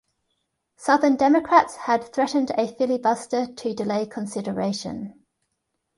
Southern Democrats had threatened a filibuster to delay consideration.